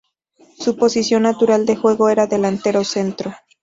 Su posición natural de juego era delantero centro.